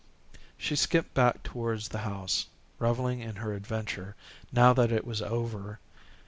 She skipped back towards the house, revelling in her adventure now that it was over.